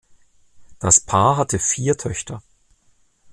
Das Paar hatte vier Töchter.